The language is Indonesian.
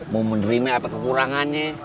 mau menerima apa kekurangannya